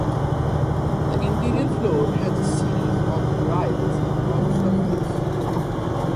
The interior floor has a series of rilles across the surface.